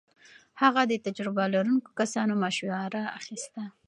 هغه د تجربه لرونکو کسانو مشوره اخيسته.